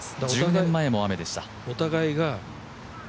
１０年前も雨でした。